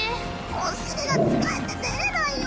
お尻がつかえて出れないよ。